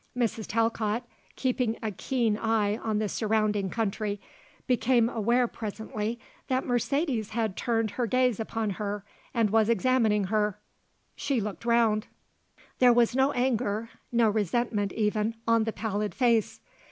Mrs. Talcott, keeping a keen eye on the surrounding country, became aware presently that Mercedes had turned her gaze upon her and was examining her. She looked round. There was no anger, no resentment, even, on the pallid face.